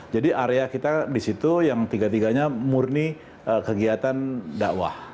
jadi area kita disitu yang tiga tiganya murni kegiatan dakwah